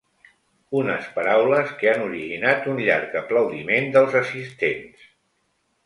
Unes paraules que han originat un llarg aplaudiment dels assistents.